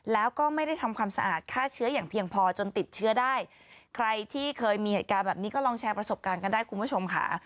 แล้วก็ไม่ได้ทำความสะอาดฆ่าเชื้ออย่างเพียงพอจนติดเชื้อได้ใครที่เคยมีเหตุการณ์แบบนี้ก็ลองแชร์ประสบการณ์กันได้คุณผู้ชมค่ะ